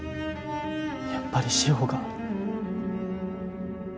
やっぱり志法が。